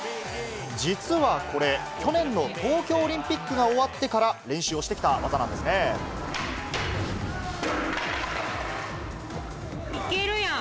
実はこれ、去年の東京オリンピックが終わってから練習をしてきたいけるやん。